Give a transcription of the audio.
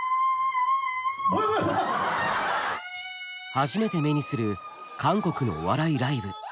初めて目にする韓国のお笑いライブ。